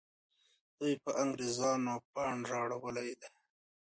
دوی پر انګریزانو پاڼ را اړولی دی.